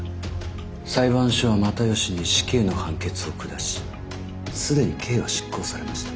裁判所は又吉に死刑の判決を下し既に刑は執行されました。